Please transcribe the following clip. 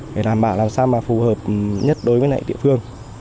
để làm bảo làm sao mà phù hợp nhất đối với địa phương